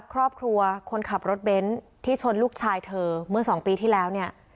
ครอบครัวคนขับรถเบนที่ชนลูกชายเธอเมื่อ๒ปีที่แล้ว